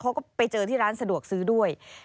เขาก็ไปเจอที่ร้านสะดวกซื้อด้วย